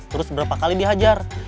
terus berapa kali dihajar